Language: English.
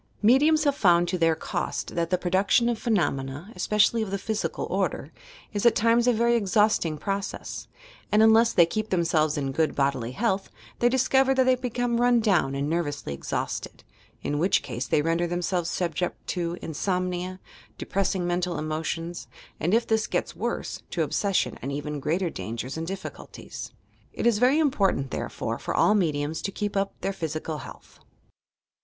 Mediums have found to their cost that the production of phenomena (especially of the physical order) is at times a very exhausting process, and unless they keep themselves in good bodily health, they discover that they become run down and nervously exhausted, in which case they render themselves subject to insomnia, de pressing mental emotions, and, if this gets worse, to obsession and even greater dangers and difSeulties. It is very important, therefore, for all mediums to keep up their physical health.